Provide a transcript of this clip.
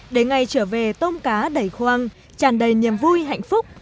để ngày trở về tôm cá đầy khoang tràn đầy niềm vui hạnh phúc